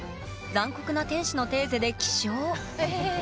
「残酷な天使のテーゼ」で起床。